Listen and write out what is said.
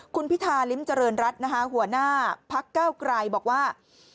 คุณพิธาริมเจริญรัฐหัวหน้าพักแก้วกลายบอกว่า